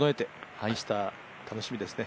明日楽しみですね。